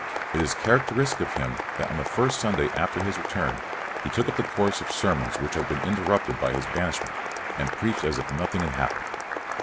It is characteristic of him that on the first Sunday after his return he took up the course of sermons which had been interrupted by his banish ment, and preached as if nothing had hap pened.